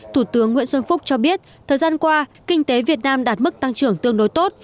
thủ tướng nguyễn xuân phúc cho biết thời gian qua kinh tế việt nam đạt mức tăng trưởng tương đối tốt